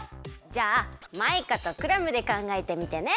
じゃあマイカとクラムでかんがえてみてね。